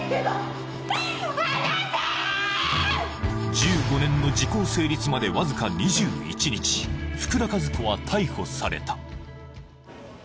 １５年の時効成立までわずか２１日福田和子は逮捕された・え